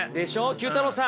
９太郎さん。